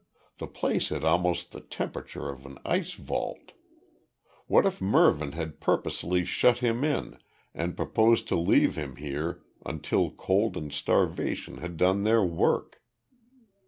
The place had almost the temperature of an ice vault. What if Mervyn had purposely shut him in and proposed to leave him here until cold and starvation had done their work?